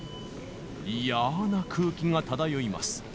いやな空気が漂います。